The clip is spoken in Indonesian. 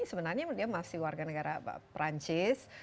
sebenarnya dia masih warga negara perancis